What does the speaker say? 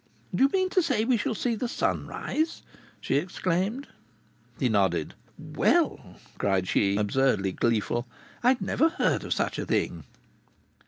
"Do you mean to say we shall see the sun rise?" she exclaimed. He nodded. "Well!" cried she, absurdly gleeful, "I never heard of such a thing!"